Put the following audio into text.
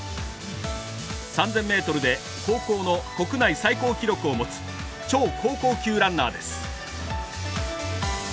３０００ｍで高校の国内最高記録を持つ超高校級ランナーです。